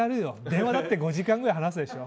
電話だって５時間くらい話すでしょ。